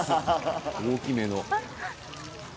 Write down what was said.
大きめの。